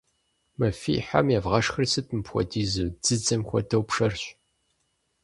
Мы фи хьэм евгъэшхыр сыт мыпхуэдизу? Дзыдзэм хуэдэу пшэрщ.